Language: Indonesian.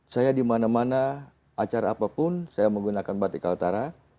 saya di mana mana acara apapun saya menggunakan batik kaltara